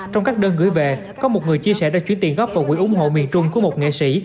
trong các đơn gửi về có một người chia sẻ đã chuyển tiền góp vào quỹ ủng hộ miền trung của một nghệ sĩ